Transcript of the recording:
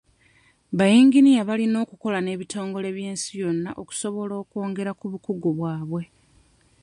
Bayinginiya balina okukola n'ebitongole by'ensi yonna okusobola okwongera ku bukugu bwabwe.